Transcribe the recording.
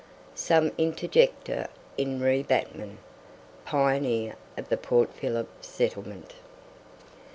SOME INTERJECTA IN RE BATMAN, PIONEER OF THE PORT PHILLIP SETTLEMENT.